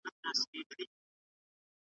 ولي بې هدفه ژوند کول رواني ستونزي جوړوي؟